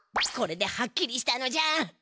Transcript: これではっきりしたのじゃ。